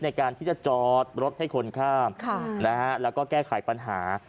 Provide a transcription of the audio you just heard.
ในการที่จะจอดรถให้คนข้ามแล้วก็แก้ไขปัญหา